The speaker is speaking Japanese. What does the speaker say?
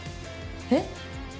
えっ？